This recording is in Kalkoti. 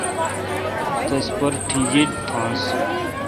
تس پر ٹھگئ تھانس۔